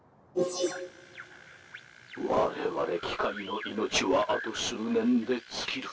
我々機械の命はあと数年で尽きる。